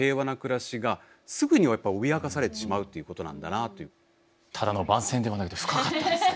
それくらいただの番宣ではなくて深かったですね。